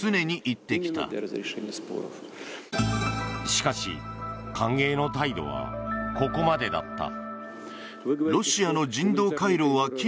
しかし、歓迎の態度はここまでだった。